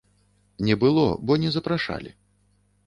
Не было, бо не запрашалі.